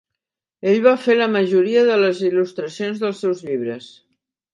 Ell va fer la majoria de les il·lustracions dels seus llibres.